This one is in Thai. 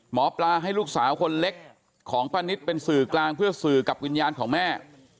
หมอปลาให้ลูกสาวคนเล็กของป้านิตเป็นสื่อกลางเพื่อสื่อกับวิญญาณของแม่